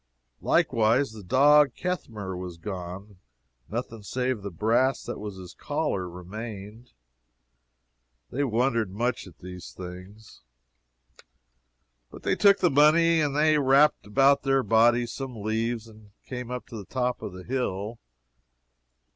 Likewise the dog Ketmehr was gone, and nothing save the brass that was upon his collar remained. They wondered much at these things. But they took the money, and they wrapped about their bodies some leaves, and came up to the top of the hill.